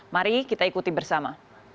mari kita ikuti bersama